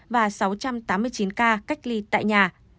và sáu trăm tám mươi chín ca cách ly